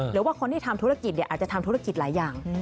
หรือว่าคนที่ทำธุรกิจอาจจะทำธุรกิจหลายอย่าง